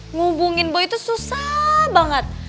menghubungin boy itu susah banget